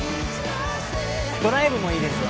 ドライブもいいですよ。